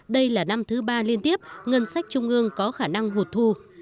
đây là năm thứ ba liên tiếp ngân sách trung ương có khả năng hụt thu